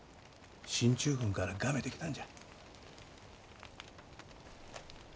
進駐軍からがめてきたんじゃ。